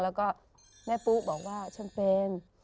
แล้วก็แม่ปุ๊บอกว่าฉันเป็น